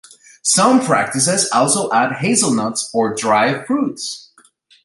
Some practices also add hazelnuts or dried fruits.